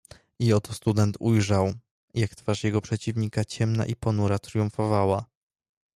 "I oto student ujrzał, jak twarz jego przeciwnika ciemna i ponura tryumfowała."